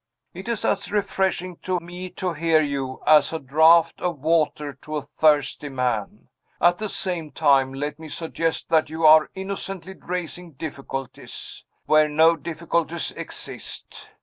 It is as refreshing to me to hear you, as a draught of water to a thirsty man. At the same time, let me suggest that you are innocently raising difficulties, where no difficulties exist.